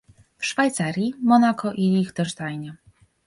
w Szwajcarii, Monako i Lichtensteinie